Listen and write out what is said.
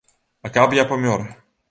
А каб я памёр?